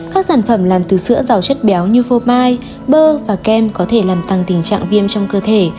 các sản phẩm làm từ sữa giàu chất béo như phô mai bơ và kem có thể làm tăng tình trạng viêm trong cơ thể